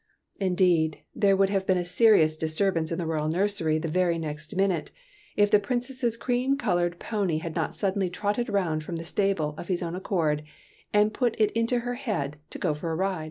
Indeed, there would have been a serious dis turbance in the royal nursery the very next minute, if the Princess's cream coloured pony had not suddenly trotted round from the stable of its own accord, and put it into her head to go for a ride.